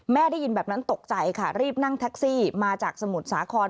ได้ยินแบบนั้นตกใจค่ะรีบนั่งแท็กซี่มาจากสมุทรสาคร